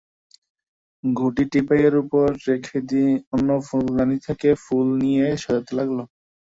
ঘটি টিপাইয়ের উপর রেখে অন্য ফুলদানি থেকে ফুল নিয়ে সাজাতে লাগল।